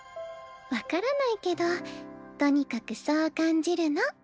分からないけどとにかくそう感じるの。